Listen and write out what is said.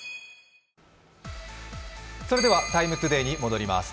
それでは「ＴＩＭＥ，ＴＯＤＡＹ」に戻ります。